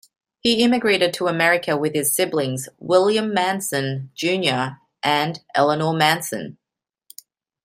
He immigrated to America with his siblings, William Manson, Junior and Eleanor Manson.